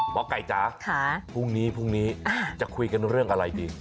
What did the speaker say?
หมอกัยจ๊ะพรุ่งนี้จะคุยกันเรื่องอะไรจริง